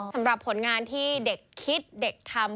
สำหรับผลงานที่เด็กคิดเด็กทำ